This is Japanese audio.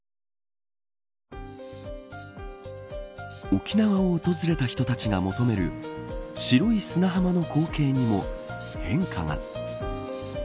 沖縄を訪れた人たちが求める白い砂浜の光景にも変化が。